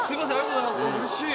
うれしい。